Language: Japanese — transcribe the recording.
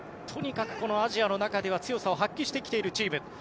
とにかくアジアの中では強さを発揮してきているチーム。